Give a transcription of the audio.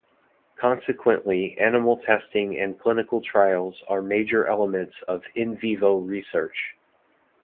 Consequently, animal testing and clinical trials are major elements of "in vivo" research.